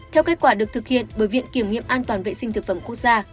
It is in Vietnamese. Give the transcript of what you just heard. theo kết quả được thực hiện bởi viện kiểm nghiệm an toàn vệ sinh thực phẩm quốc gia